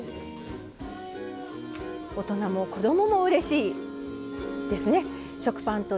大人も子供もうれしいですね。